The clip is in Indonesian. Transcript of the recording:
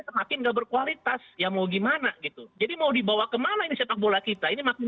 semakin nggak berkualitas ya mau gimana gitu jadi mau dibawa kemana ini sepak bola kita ini makna